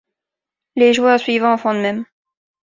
Les joueurs suivants font de même.